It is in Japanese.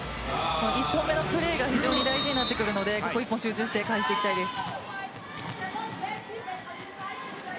１本目のプレーが大事になってくるのでここ１本集中して返したいです。